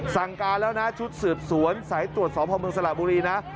สั่งการแล้วนะชุดสืบสวนสายตรวจสโพมศลบุรีนะ